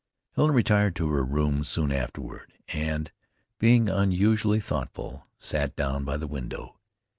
Helen retired to her room soon afterward, and, being unusually thoughtful, sat down by the window.